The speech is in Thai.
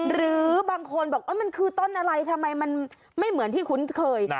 หรือบางคนบอกมันคือต้นอะไรทำไมมันไม่เหมือนที่คุ้นเคย